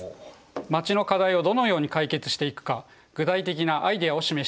街の課題をどのように解決していくか具体的なアイデアを示しています。